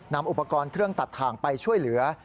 อุปกรณ์เครื่องตัดถ่างไปช่วยเหลือ